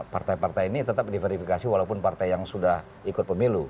partai partai ini tetap diverifikasi walaupun partai yang sudah ikut pemilu